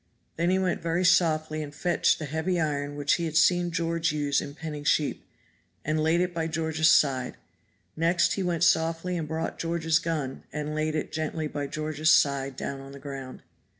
Then he went very softly and fetched the heavy iron which he had seen George use in penning sheep, and laid it by George's side; next he went softly and brought George's gun, and laid it gently by George's side down on the ground.